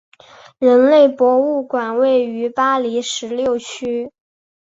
人类博物馆位于巴黎十六区。